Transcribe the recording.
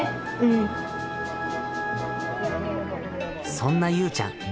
そんなゆうちゃん。